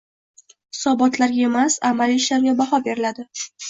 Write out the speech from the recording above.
Hisobotlarga emas, amaliy ishlarga baho beriladi